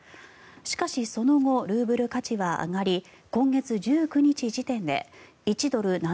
しかしその後ルーブル価値は上がり今月１９日時点で１ドル＝７９